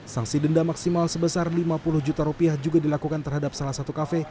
sanksi denda maksimal sebesar lima puluh juta rupiah juga dilakukan terhadap salah satu kafe